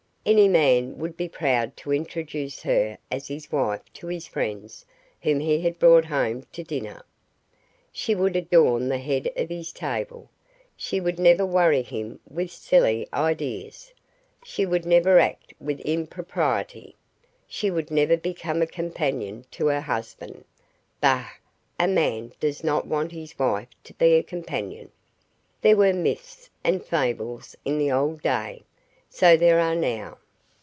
Any man would be proud to introduce her as his wife to his friends whom he had brought home to dinner. She would adorn the head of his table. She would never worry him with silly ideas. She would never act with impropriety. She would never become a companion to her husband. Bah, a man does not want his wife to be a companion! There were myths and fables in the old day; so there are now.